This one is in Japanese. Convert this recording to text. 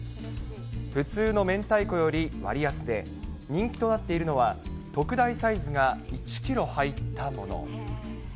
普通のめんたいこより割安で、人気となっているのは特大サイズが１キロ入ったもの。